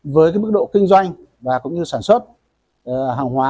với mức độ kinh doanh và sản xuất hàng hóa